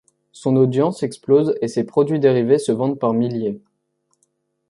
Son audience explose et ses produits dérivés se vendent par milliers.